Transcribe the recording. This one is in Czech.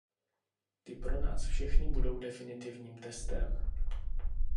Ty pro nás pro všechny budou definitivním testem.